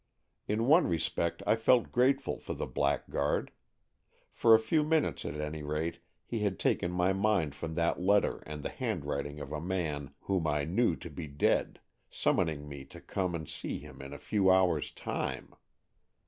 In one respect I felt grateful to the black guard. For a few minutes, at any rate, he had taken my mind from that letter and the handwriting of a man whom I knew to be dead, summoning me to come and see him in a few hours' time.